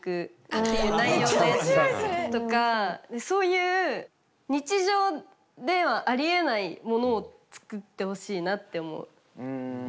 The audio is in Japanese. そういう日常ではありえないものを作ってほしいなって思う。